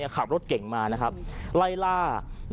ขับรถเก่งมานะครับไล่ล่า